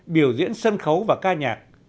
biểu diễn sân khấu và ca nhạc